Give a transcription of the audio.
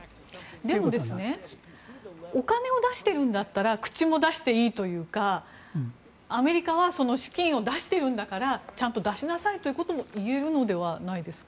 でもお金を出しているんだったら口も出していいというかアメリカは資金を出しているんだからちゃんと出しなさいと言えるのではないですか。